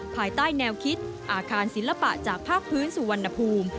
ภายใต้แนวคิดอาคารศิลปะจากภาคพื้นสุวรรณภูมิ